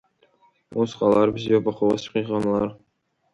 Ус ҟалар бзиоуп, аха усҵәҟьа иҟамлар?